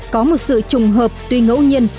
có một sự trùng hợp tuy ngẫu nhiên